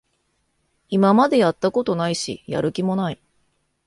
今までやったことないし、やる気もない